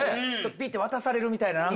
ピッて渡されるみたいな。